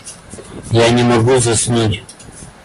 Я не могу заснуть.